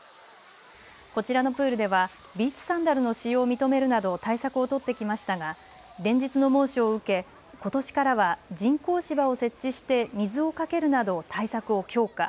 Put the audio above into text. こちらのプールではビーチサンダルの使用を認めるなど対策を取ってきましたが連日の猛暑を受け、ことしからは人工芝を設置して水をかけるなど対策を強化。